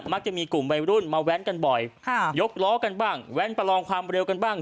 มักจะมีกลุ่มวัยรุ่นมาแว้นกันบ่อยยกล้อกันบ้างแว้นประลองความเร็วกันบ้าง